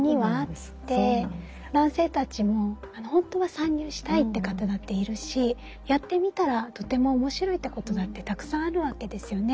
男性たちも本当は参入したいって方だっているしやってみたらとても面白いってことだってたくさんあるわけですよね。